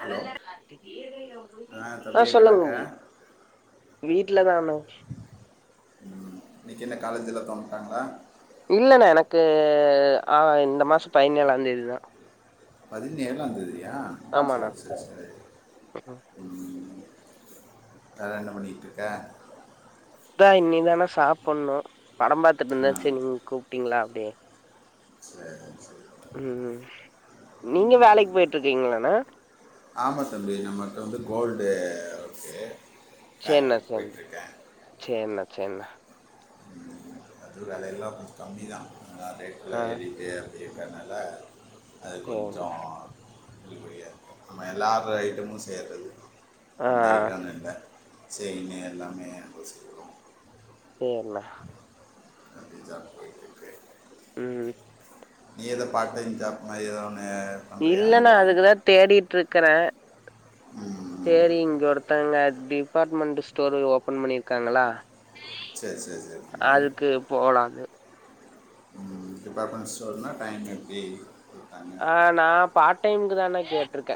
Hello ஆ தம்பி அ எங்கடாக்க சொல்லுங்கே வீட்டுலதா அண்ணா இன்னிக் என்ன காலேஜ் எல்லா தோண்ட்டாங்ளா இல்லண்ண எனக்கு அ இந்த மாச பதினேழா தேதி தா பதினேழாந் தேதியா ஆமாண்ணா சேர் சேர் சரி வேற என்ன பண்ணிகிட்ருக்க தா இன்னிக்தானா சாப்புன்ணு பட பாத்துட்ருந்த சேர் நீங்க கூப்ட்டீங்ளா அப்டே சேர் சே ம்ம் நீங்க வேலைக்கி போய்ட்ருக்கீங்ளண ஆமா தம்பி நம்மட்ட வந்து கோல்டு இருக்கு சேர்ண்ண சேர்ண்ண சேர்ண்ண சேர்ண்ண அது வேலை எல்லா கொஞ்சோ கம்மிதா அதா ரேட்டுல்லா ஆ ஏறிட்டு இருக்கற்னல அது சேர்ண்ணா கொஞ்சோ [unintelligible] நம்ம எல்லார் ஐட்டமும் சேர்றது ஆ இந்ஐட்டோன் இல்ல செயினு எல்லாமே [inaudible] சேர்ண்ணா எப்டி ஜாப் பொய்ட்ருக்கு ம் நீ எதோ பார்ட் டைம் ஜாப் மாரி எதோ ஒன்னு இல்லண்ணா நா அதுக்குதா தேடிட்ருக்குற ம், தேரி இங்க ஒர்த்தவங்க டிபார்ட்மெண்ட்ட் ஸ்டோரு ஓப்பன் பண்ணிருக்காங்களா சரி சரி சரி தம்பி அதுக்கு போலான்னு டிப்பார்மண்ட் ஸ்டோர்னா டைம் எப்டி [inaudible] அ நா பார் டைமுக்குதாண்ணா கேட்ருக்க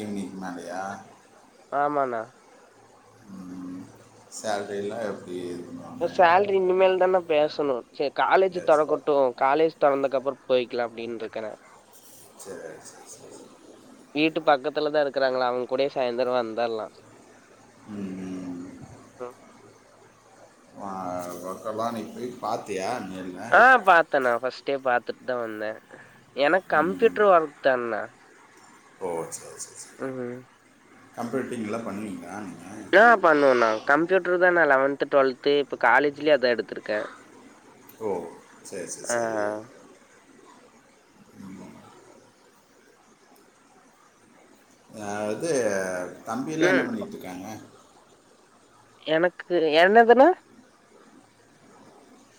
ஈவ்னிங்க்கு மேலயா ஆமாண்ணா சேலரிலா எப் சேரி இன்னுமேல் தாண்ணா பேசணு சேர் காலேஜி எஸ் தொறக்குட் டூவோ காலேஜ் தொறந்தக்கு அப்புற போயிக்கிலா அப்டின்ருக்கண சேரி செர் செர் சே வீட்டு பக்கத்துல தா இருக்குறாங்களா அவங் கூடயே சாய்ந்தர வந்தர்லா ம் ம் வா ஒர்க்கலா நீ பேய் பார்த்தியா நேரில் ஆ பாத்தணா ஃபர்ஸ்ட்டே பாத்துட் தா வந்த எனக் கம்ப்யூட்ரு ஒர்க் தாண்ணா ஓ சேர் சேர் சி ம் கம்ப்ரேட்டிங்லா பண்ணுவீங்ளா நீங்க நா பண்ணுவண்ணா கம்ப்யூட்ரு தா நா லவன்த்து டுவெல்த்து இப்போ காலேஜ்லியு அதா எடுத்துருக்க ஓ சேர் சேர் சேரி அ இது தம்பி எல்லா என்னா ம் பண்ணிட்ருக்காங்க எனக்கு என்னதுணா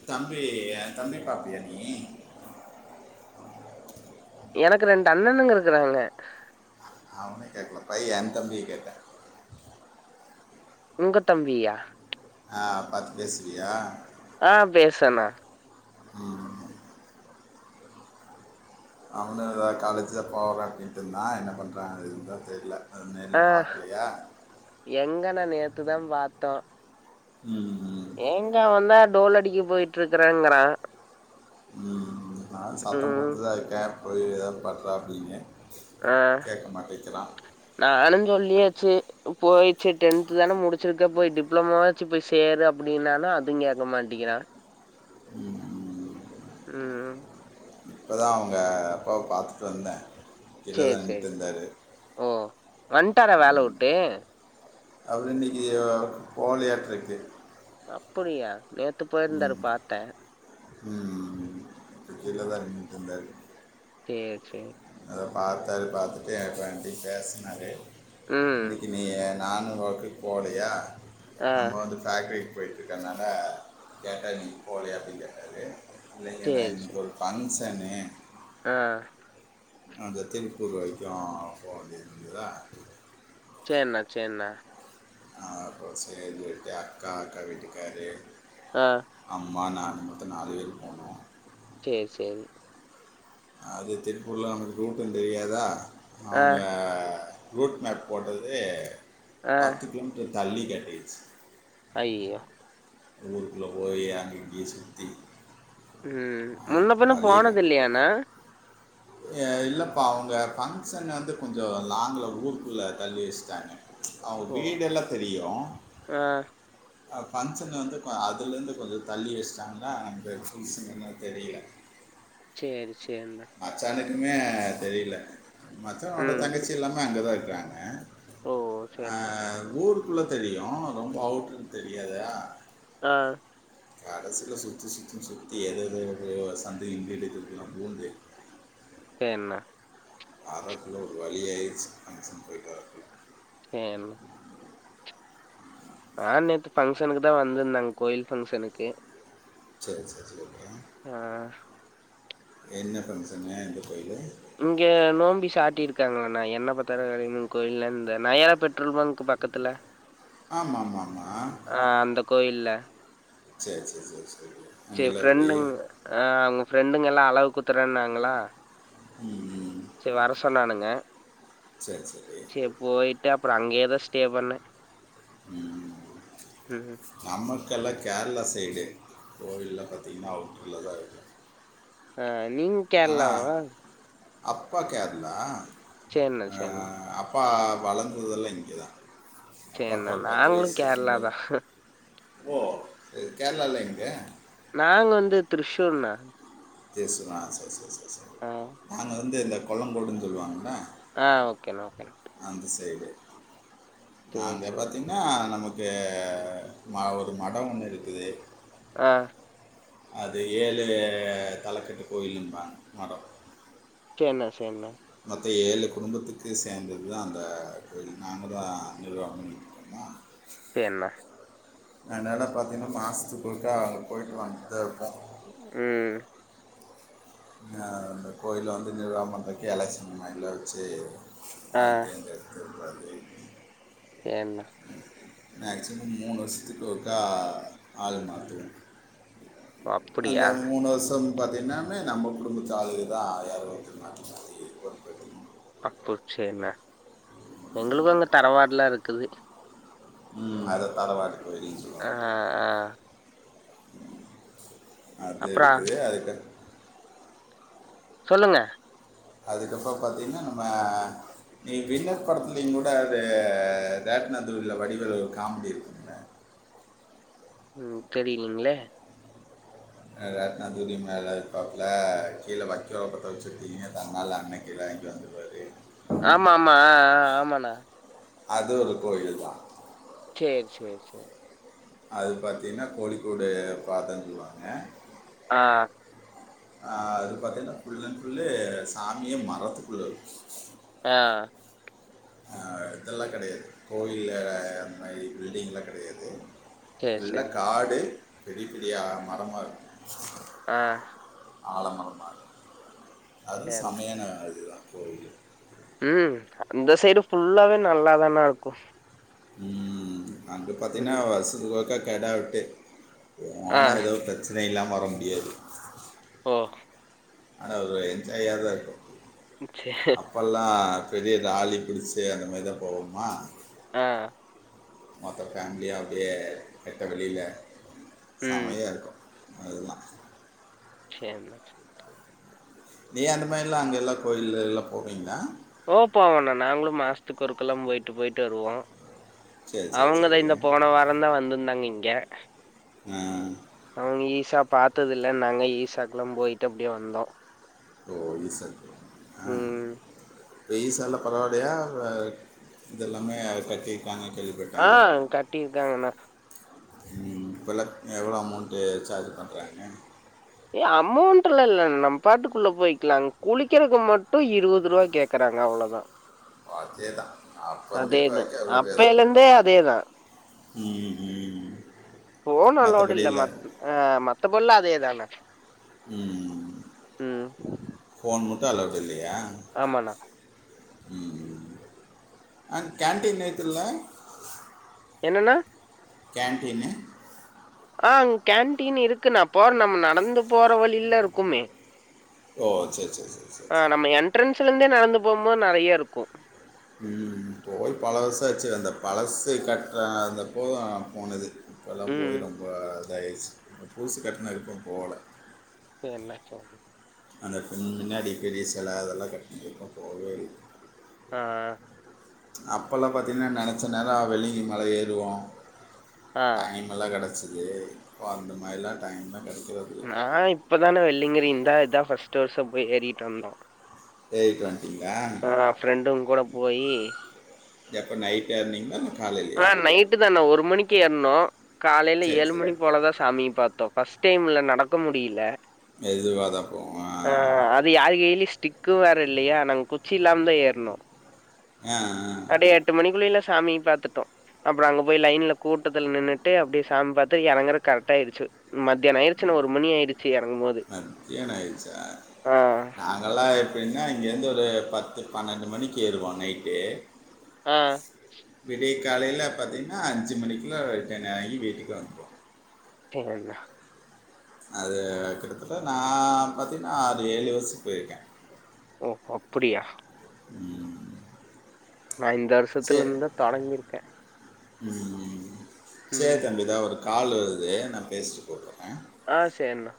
தம்பி ஏ தம்பி பாப்பியா நீ எனக்கு ரெண்டு அண்ணனுங்க இருக்குறாங்க அவன கேக்குலப்பா ஏ தம்பிய கேட்ட உங்க தம்பியா ஆ பாத்து பேசுவியா ஆ பேஸ்வணா ஆ அவனூ எதோ காலேஜ் தா போற அப்டின்ட்டு இருந்தா என்ன பண்றா இதுதா தெரியில அது நேர்ல பாக்கலையா எங்கண்ண நேத்துதா பாத்தோ ம் எங்க அவந்தா டோல் அடிக்க போயிட்ருக்கறேங்கிறா ம் நானு சத்தம் ம் போட்த்தா இருக்கே போய் எதாவது பட்றா அப்டின்னு அ நானுஞ் சொல்லியாச்சு போயிச்சி டென்த்து தான முடிச்சிருக்கே போய் டிப்ளமாவாச்சு போய் சேரு அப்டின்னாலு அதுவு கேக்க மாட்டேங்கிறா ம் ம் ம் இப்பதா அவுங்க அப்பாவ பாத்துட்டு வந்தே சேரி சேரி ஓ வந்ட்டாரா வேல உட்டு அது இன்னைக்கி போலையாட்ருக்கு அப்புடியா நேத்து ம் போயிருந்தாரு பாத்தே ம் கீழ ம் தா நின்னுட்ருந்தாரு சேரி சேரி அதா பாத்தாரு பாத்துட்டு அப்போ ஏன்டயு பேசுனாரு ம் இன்னைக்கி நீ நானு ஒர்க்குக்கு போலையா ஆ நம்ம வந்து ஃபேக்ட்ரிக்கு போய்ட்டுருக்கறனால கேட்ட நீ போலையா அப்டின்னு கேட்டாரு இல்லைங்க சேரி இன்னைக்கி சேரி ஒரு ஃபங்க்ஷனு ஆ அந்த தெனிப்பூர் வரைக்கூ போ வேண்டியது இருக்குதா சேர்ன்ன சேர்ன்ன அப்போ செரின்னுட்டு அக்கா அக்கா வீட்டுக்காரு ஆ ஆமா நா மொத்தொ நாலு பேர் போனோ சேர் சேரி அது திருப்பூர்ல நமக்கு ரூட்டூ தெரியாதா ஆ அவுங்க ரூட் மேப் போட்டது ஆ பத்து கிலோமீட்டர் தள்ளி காட்டிரிச்சி ஐயோ ஊருக்குள்ள போயி அங்க இங்க சுத்தி ம் முன்ன பிண்ண க போனது இல்லயாண்ண எ இல்லப்பா அவுங்க ஃபங்க்ஷன வந்து கொஞ்சொ லாங்ல ஊருக்குள்ள தள்ளி வஸ்ட்டாங்க அவுங்க ஓ வீடெல்லா தெரியு ஆ அ ஃபங்க்ஷன் வந்து கொ அதுலேருந்து கொஞ்சொ தள்ளி வச்சுட்டாங்களா அந்த ஃபங்க்ஷன்ன தெரியில சேரி சேரிணே மச்சானுக்குமே தெரியில மச்சானோட தங்கச்சி ம் எல்லாமே அங்கே தா இருக்கிறாங்க ஓ அ சேர்ண்ண ஊருக்குள்ள தெரியு ரொம்ப அவுட்ருன்னு தெரியாதா ஆ கடசில சுத்து சுத்துன் சுத்தி எதெதோ ஒரு சந்து இன்டு இடுக்கெலாம் பூந்து சேர்ண்ண வரக்குள்ள ஒரு வழியாருட்சி ஃபங்க்ஷன் போய்ட்டு வரக்குள்ள யேன் ஆ நேத்து ஃபங்க்ஷனுக்கு தா வந்திருந்தே கோயில் ஃபங்க்ஷனுக்கு செரி சார் [unintelligible] ஆ என்ன ஃபங்க்ஷனு எந்த கோயிலு இங்கே நோம்பி சாட்டிருக்காங்களா என்ன பத்தாரகாளியம்மன் கோயில இந்த நயாரா பெட்ரோல் பங்க் பக்கத்துல ஆமா மா மா ஆ அந்த கோயில்ல செர் செரி செரி செரி செரி ஃபிரெட்டுங் ஆ ஃப்ரன்டுங்கல்லா அலகு குத்துரன்னாங்களா ம், செர் வர சொன்னானுங்க செர் செரி சேரி போயிட்டு அப்புற அங்கயேதா ஸ்டே பண்ணே உ உ நமக்கெல்லா கேரளா சையிடு கோயில்ல பாத்திங்கன்னா அவ நல்லாதா இருக்கு ஆ நீங் ஆ அப்பா கேரளா சேர்ண்ண ஆ சேர்ண்ண அப் பா வளர்ந்ததுல்லா இங்கதா அப்பாவுக்கு சேர்ண்ணா ஒரு பத்து நாங்களு கேரளா தா வயசுக்கும்போது ஓ இது கேரளால எங்க நாங்க வந்து திரசூர் னே திரிசூரா ஆ செர் செர் செர் செர் ஆ நாங்க வந்து இந்த கொல்லங்கோடுன்னு சொல்லுவாங்கல ஆ ஓகேண்ணா ஓகேண்ணா அந்த சையிடு சேரி நாங்க சேரி பாத்தீங் நா நமக்கு ம ஒரு மடோ ஒன்னு இருக்குது ஆ அது ஏழு தலக்கட்டு கோயிலுன்றாங்க மடோ சேரிண சேரிண மத்த ஏழு குடும்பத்துக்கு சேந்தது தா அந்த க நாங்க தா நிர்வாகோ ஆ சேரிண்ணே ஆனால பாத்திங்கன்னா மாசத்துக்கொருக்கா அங்க போயிட்டு வந்துட்டுதா இருப்போ உ ஆ இந்த கோயில வந்து நிர்வாகோ பண்ணுறதுக்கு எலெக்ஷன் மைண்டில் வச்சு ஆ அழு தேந்தது இருபது என்ன மேக்சிமம் மூணு வருஷத்துக்கு ஒருக்கா ஆள் மாத்துவோ ஓ அந்த அப்படியா மூணு வருசோ பாத்தீங்கன்னாமே நம்ம குடும்பத்தாலளுக தா யார [unintelligible] அப்போ சரிண்ணே எங்களுக்கு அங்க தரவாடல்லா இருக்குது உ அது தரவாடி கோரி ஆ ஆ அது அப்புறோ இருக்குது அதுக்கடு சொல்லுங்க அதுக்கப்புறோ பாத்தீங்கன்னா நம்ம நீ வின்னர் படத்துலயு கூட அது [unintelligible] வடிவேல் ஒரு காமெடி இருக்கு உ தெரியலைங்களே ரத்னாதுரி மேலது போக்கத்தில் கீழே வைக்கோர பற்ற வச்சுருக்கிங்க தன்னால் அண்ணன் கீழ வாங்கி வந்து வரி ஆமா ஆமா ஆ ஆமாண்ண அது ஒரு கோயிலு தா சேரி சேரி சேரி அது பாத்திங்னா கோழிக்கூடு பாத்தன் சொல்லுவாங்க ஆ அ அது பாத்தீங்கனா ஃபுல்லன் ஃபுல்லு சாமியே மரத்துக்குள்ள இருக்கு ஆ அ இதெல்லா கெடையாது கோயில்ல அந்த மாரி பில்டிங்லா கெடையாது சேரி எல்லா சேரிண்ணா காடு பெரிய பெரியா மரமா இருக்கு அ ஆலமரமா அதுவு சேர்ண்ணா சமையான அதுதா கோயிலு ம் அந்த சைடு ஃபுல்லாவே நல்லாதான இருக்கு ம் அண்டு பாத்தீனா ம் வருசதுக்கு ஒருக்கா கெடா வெட்டு ஆ போனா எதோ பிரச்சனை இல்லாம வர முடியாது ஓ ஆனா என்ஜாயா தா இருக்கு சே அப்பெல்லா பெரிய லாலி பிடிச்சு அந்த மாரி தா போவோமா ஆ மொத்த ஃபேமிலிய அப்டியே வெட்ட வெளில ம் செமையா இருக்கு அதுதா சேரிண்ண நீ அந்த மாரிலா அங்க எல்லா கோயில்லல்லா போவிங்லா ஓ போவண்ணா நாங்களு மாசத்துக்கு ஒருக்கெல்லா போயிட்டு போயிட்டு வருவோ சரி சரி அவங்கதா இந்த சரி போன வாரந்தா வந்திருந்தாங்க இங்க ஆ அவுங்க ஈசா பாத்ததில்லனாங்க ஈசாக்கெல்லா போயிட்டு அப்டியே வந்தோ ஓ ஈசாக்கு போனீங்களா ம் அ ஈசாலா பரவால்லயா அ இதெல்லாமே கட்டி க்காங்க கேள்விபட் ஆ கட்டிருக்காங்கண்ணா ம் இப்பல்லா எவ்ளோ அமௌண்ட்டு சார்ஜ் பண்றாங்க ஏ அமௌண்டல்ல இல்ல நம் பாட்டுக்குள்ள போய்கிக்கலாங் குளிக்கிறதுக்கு மட்டு இருவது ரூபா கேக் க்கறாங்க அவ்ளதா அதே தா அப்பந்தி இப்ப தான் வரைக்கு அதே தா அப்பையிலேருந்தே அதே ம் ம் ஃபோன் அளவுடு இல்ல மத் மத்தபல்ல அதேதான ம் ஃபோன் மட்டு அளவுடு இல்லையா ஆமாண்ணா ம் அ கேன்ட்டீன் ஏத்துல என்னென்னா கேன்டீனு ஆ கேன்டீன் இருக்குண்ணா போற நம்ப நடந்து போற வழில இருக்குமே ஓ செரி செரி செரி ஆ நம்ம என்ட்ரன்ஸுலெந்தே நடந்து போம்மோது நெறய இருக்கு ம் போயி பல வருஷோ ஆச்சி அந்த பழச கட்ற அந்த போ போனது இப்பெல்லா போயி ம். ரொம்ப இதாய்ர்ச்சு இப்ப புதுசு கட்னதுக்கப்றோ போகல என்ன ஆச்சு அப்டி அந்த பின் முன்னாடி பெரிய செல அதெல்லா கட்னத்கப்றோ போவே இல்ல ஆ அப்பல்லா பாத்தீங்ன்னா நெனச்ச நேரோ வெள்ளங்கி மல ஏறுவோ ஆ. டைம் நல்லா கடச்சிது இப்போ அந்த மாரிலா டைம்லா கெடைக்கிறதி நா இப்பதானே வெள்ளிங்கிரி இந்நா இதா ஃபஸ்ட் வர்ஷோ போய் ஏறிட்டு வந்தோ ஏறிட்டு வந்துட்டிங்களா ஆ ஃப்ரெண்டுங் கூட போயி எப்போ நைட் ஏற்னீங்ளா அ நைட்டு தான ஒரு மணிக்கு ஏற்னோ காலையில சரி ஏழு சரி மணி போலதா சாமிய பாத் தோ ஃபஸ்ட் டைம்ல நடக்க முடியில மெதுவாதா போகோ ஆ அது யாரு கெய்லு ஸ்டிக்கு வேற இல்லயா நாங்க குச்சி இல்லாம்தா ஏற்னோ ஆ ஆ கடை எட்டு மணிக்குள்ளேலா சாமி பாத்துட் அப்புற அங்க போய் லைன்ல கூட்டத்துல நின்னுட்டு அப்டியே சாமி பாத்துட் எறங்குற கரெக்ட்டா ஆயிருச்சு மத்தியானோ ஆயிருச்சுன்னா ஒரு மணி ஆயிருச்சு எறங்கும்போது ஆ அங்கெல்லா எப்டின்னா இங்கேந்து ஒரு பத்து பன்னெண்டு மணிக்கு ஏறுவோ நைட்டு ஆ விடிய காலையில பாத்திங்ன்னா அஞ்சு மணிக்குள்ள ரிட்டன் ஆயி வீட்டுக்கு வந்துருவோ சேரிங்க அது கிட்டத்தட்ட நா பாத்தீங்ன்னா அறு ஏழு வர்ஷோ போயிருக்கே ஒ ஒ அப்பிடியா ம். நா இந்த சரி வருஷத்துலெந்தா தொடங்கிருக்கே ம் ம். சேர் தம்பி இதா ஒரு கால் வருது நா பேஸ்ட்டு கூப்புறே ஆ சேர்ண்ணா